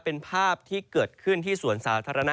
เป็นภาพที่เกิดขึ้นที่สวนสาธารณะ